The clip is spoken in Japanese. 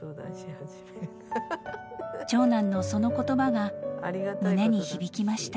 ［長男のその言葉が胸に響きました］